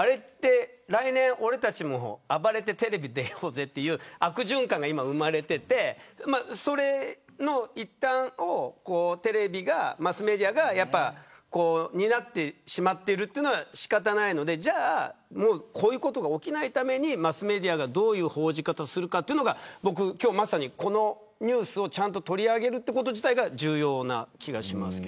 来年、俺たちも暴れてテレビ出ようぜという悪循環が生まれていてその一端をマスメディアが担ってしまっているというのは仕方ないのでこういうことが起きないためにマスメディアがどういう報じ方をするか今日まさに、このニュースを取り上げるということ自体が重要な気がします。